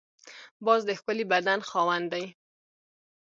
باز د ښکلي بدن خاوند دی